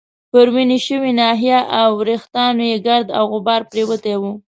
پر وینې شوې ناحیه او وریښتانو يې ګرد او غبار پرېوتی وو.